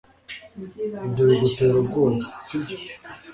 ibyo bigutera ubwoba, sibyo